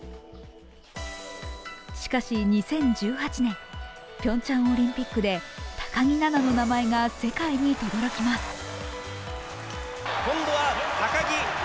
しかし、２０１８年、ピョンチャンオリンピックで高木菜那の名前が世界にとどろきます。